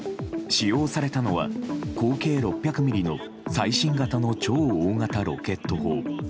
使用されたのは口径６００ｍｍの最新型の超大型ロケット砲。